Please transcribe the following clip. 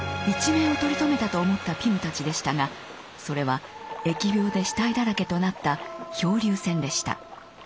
一命を取り留めたと思ったピムたちでしたがそれは疫病で死体だらけとなった漂流船でした。